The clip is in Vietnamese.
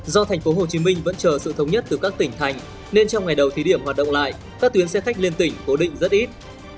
do thành phố hồ chí minh vẫn chờ sự thống nhất từ các tỉnh thành nên trong ngày đầu thí điểm hoạt động lại các tuyến xe khách lên tỉnh cố định rất ít